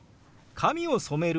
「髪を染める」。